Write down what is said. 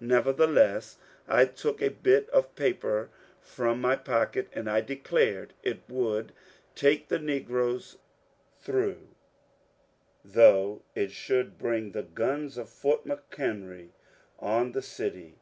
Nevertheless, I took a bit of paper from my pocket, and I declared it would take the negroes through though it should bring the guns of Fort McHenry on the city.